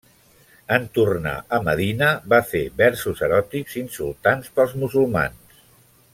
En tornar a Medina va fer versos eròtics insultants pels musulmans.